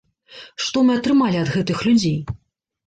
Што мы атрымалі ад гэтых людзей?